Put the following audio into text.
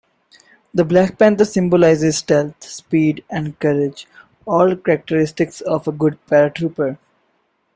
The black panther symbolizes stealth, speed and courage, all characteristics of a good Paratrooper.